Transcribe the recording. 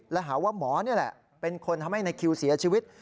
และหาว่าหมอนี่แหละเป็นคนทำให้ในคิวเสียชีวิต